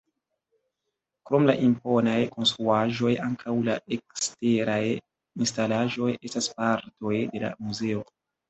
Krom la imponaj konstruaĵoj ankaŭ la eksteraj instalaĵoj estas partoj de la muzeo.